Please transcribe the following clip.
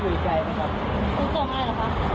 ขนต้นได้อยู่ไกล